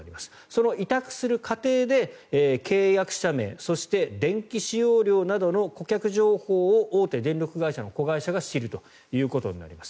その委託する過程で契約者名そして、電気使用量などの顧客情報を大手電力会社の子会社が知るということになります。